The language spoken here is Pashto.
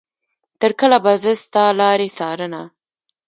تر کله به زه ستا لارې څارنه.